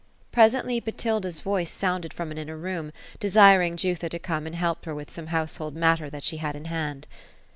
Presently. Botil da's voice sounded from an inner room, desiring Jutha to come and help her with some household matter that she had in hand.